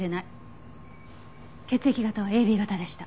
血液型はＡＢ型でした。